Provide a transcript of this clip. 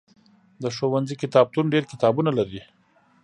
د ښوونځي کتابتون ډېر کتابونه لري.